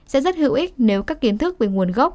sẽ rất hữu ích nếu các kiến thức về nguồn gốc